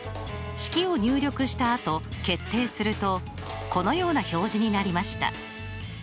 式を入力したあと決定するとこのような表示になりました。